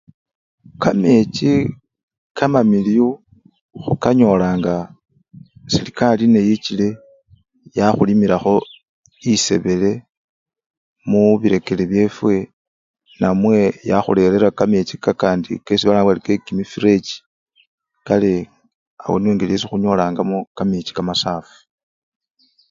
Kamechi kamamiliyu khukanyolanga serekari neyichile yakhuyabilakho esebele mubireker byefwe namwe yakhurerera kamechi kakandi kesi balanga bari kemumifurechi kale awo niyo engeli niyo khunyolangamo kamechi kamasafi.